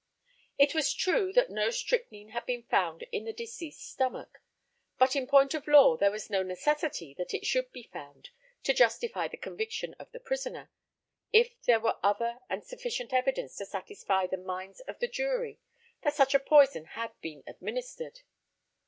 It was true that no strychnine had been found in the deceased's stomach, but in point of law there was no necessity that it should be found to justify the conviction of the prisoner, if there were other and sufficient evidence to satisfy the minds of the jury that such a poison had been administered.